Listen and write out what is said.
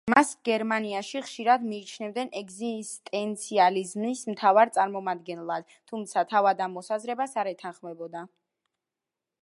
მას გერმანიაში ხშირად მიიჩნევდნენ ეგზისტენციალიზმის მთავარ წარმომადგენლად, თუმცა თავად ამ მოსაზრებას არ ეთანხმებოდა.